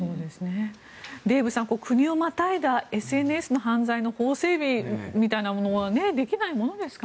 デーブん、国をまたいだＳＮＳの犯罪の法整備みたいなものはできないものですかね。